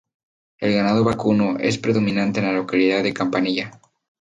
El ganado vacuno es predominante en la localidad de Campanilla.